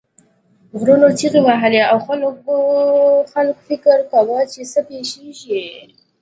غرونو چیغې وهلې او خلک فکر کاوه چې څه پیښیږي.